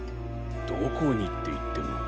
どこにっていっても。